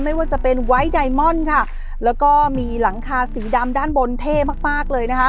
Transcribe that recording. ไม่ว่าจะเป็นไวท์ไดมอนด์ค่ะแล้วก็มีหลังคาสีดำด้านบนเท่มากมากเลยนะคะ